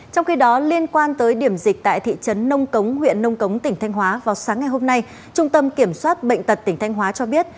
trong khi đó liên quan tới điểm dịch tại thị trấn nông cống huyện nông cống tỉnh thanh hóa vào sáng ngày hôm nay trung tâm kiểm soát bệnh tật tỉnh thanh hóa cho biết